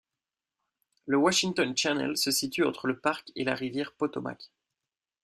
Le Washington Channel se situe entre le parc et la rivière Potomac.